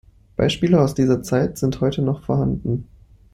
Beispiele aus dieser Zeit sind heute noch vorhanden.